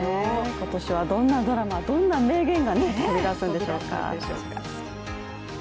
今年はどんなドラマどんな名言が飛び出すんでしょうか。